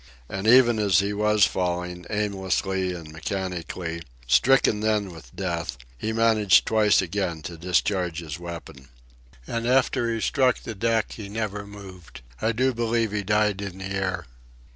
And even as he was falling, aimlessly and mechanically, stricken then with death, he managed twice again to discharge his weapon. And after he struck the deck he never moved. I do believe he died in the air.